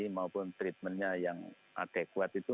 maupun treatmentnya yang adekuat itu